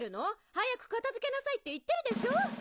早く片づけなさいって言ってるでしょ！？